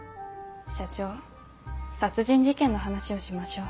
社長殺人事件の話をしましょう。